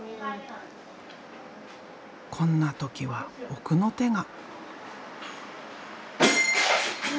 こんな時は奥の手が。